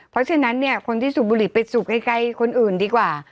เพราะฉะนั้นเนี่ยคนที่สูบบุหรี่ไปสูบไกลคนอื่นดีกว่า